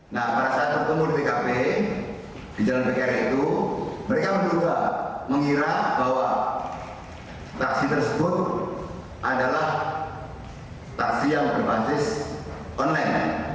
nah pada saat bertemur bkp di jalan bkr itu mereka menduga mengira bahwa taksi tersebut adalah taksi yang lebih basis online